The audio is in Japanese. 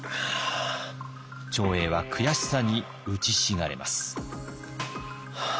長英は悔しさにうちひしがれます。